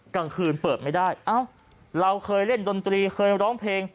กลางคืนเปิดไม่ได้เอ้าเราเคยเล่นดนตรีเคยร้องเพลง